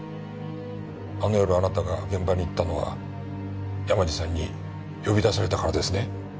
あの夜あなたが現場に行ったのは山路さんに呼び出されたからですね？